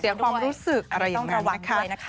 เสียงความรู้สึกอะไรอย่างนั้นนะคะ